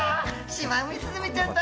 シマウミスズメちゃんだ！